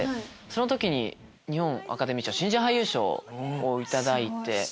その時に日本アカデミー賞新人俳優賞を頂いて。